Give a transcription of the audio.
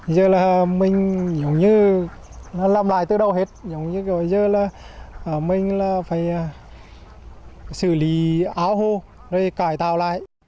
giờ là mình giống như làm lại từ đầu hết giống như giờ là mình phải xử lý áo hô để cải tạo lại